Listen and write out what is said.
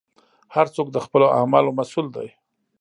هر څوک د خپلو اعمالو مسوول دی.